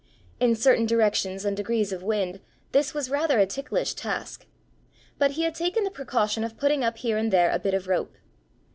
In certain directions and degrees of wind this was rather a ticklish task; but he had taken the precaution of putting up here and there a bit of rope.